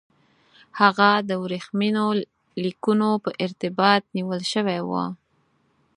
هغه د ورېښمینو لیکونو په ارتباط نیول شوی وو.